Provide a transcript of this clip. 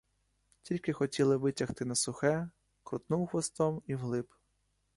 Тільки хотіли витягти на сухе, крутнув хвостом і вглиб!